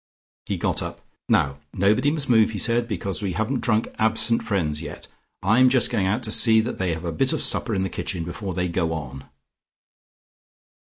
He got up. "Now nobody must move," he said, "because we haven't drunk 'absent friends' yet. I'm just going out to see that they have a bit of supper in the kitchen before they go on."